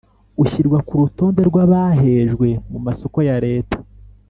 ushyirwa kurutonde rw’ abahejwe mu masoko ya Leta